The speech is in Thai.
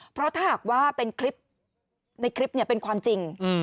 เพราะถ้าหากว่าเป็นคลิปในคลิปเป็นความจริง